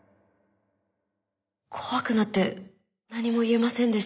怖くなって何も言えませんでした。